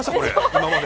今まで？